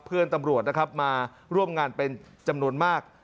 เพื่อนตำรวจนะครับมาร่วมงานเป็นจำนวนมาก